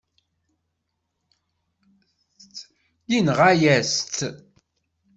Yenɣa-yas-tt.